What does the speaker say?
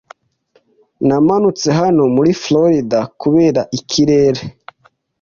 Namanutse hano muri Floride kubera ikirere.